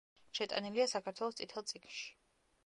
შეტანილია „საქართველოს წითელ წიგნში“.